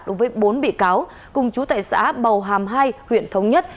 đối với bốn bị cáo cùng chú tại xã bầu hàm hai huyện thống nhất